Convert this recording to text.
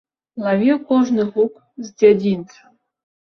Лавіў кожны гук з дзядзінца.